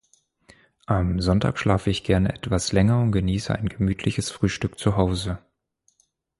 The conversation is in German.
Am Sonntag schlafe ich gerne etwas länger und genieße ein gemütliches Frühstück zu Hause.